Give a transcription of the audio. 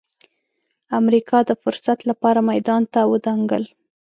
امریکا د فرصت لپاره میدان ته ودانګل.